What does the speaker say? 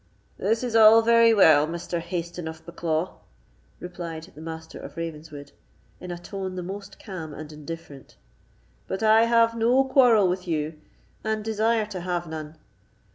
"This is all very well, Mr. Hayston of Bucklaw," replied the Master of Ravenswood, in a tone the most calm and indifferent; "but I have no quarrel with you, and desire to have none.